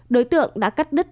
đối tượng đã cắt đứt